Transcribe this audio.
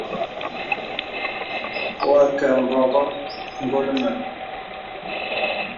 Wa kə mbɔŋɔ̀ ngɔl mə.